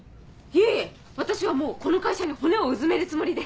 いえいえ私はもうこの会社に骨をうずめるつもりで。